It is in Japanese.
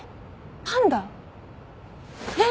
パンダ？えっ！？